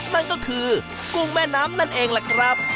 นั่นก็คือกุ้งแม่น้ำนั่นเองแหละครับ